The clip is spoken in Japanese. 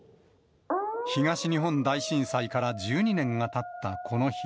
東日本大震災から１２年がたったこの日。